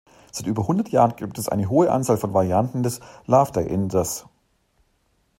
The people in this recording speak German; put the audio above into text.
Seit über hundert Jahren gibt es eine hohe Anzahl von Varianten des Loveday-Inders.